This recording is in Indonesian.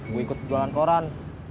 gue ikut jualan koran